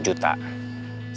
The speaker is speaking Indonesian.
lebih dari tiga puluh juta